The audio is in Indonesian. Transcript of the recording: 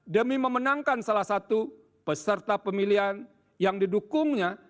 demi memenangkan salah satu peserta pemilihan yang didukungnya